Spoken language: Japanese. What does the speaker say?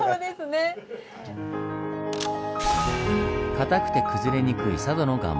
かたくて崩れにくい佐渡の岩盤。